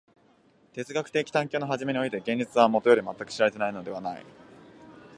哲学的探求の初めにおいて現実はもとより全く知られていないのではない。